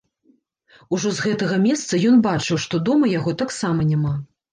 Ужо з гэтага месца ён бачыў, што дома яго таксама няма.